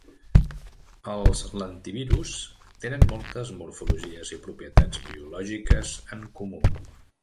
Els lentivirus tenen moltes morfologies i propietats biològiques en comú.